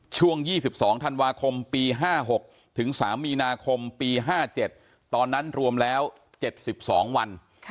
ช่วง๒๒ธันวาคมปี๕๖ถึง๓มีนาคมปี๕๗ตอนนั้นรวมแล้ว๗๒วัน